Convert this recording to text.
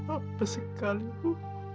apa sekali bu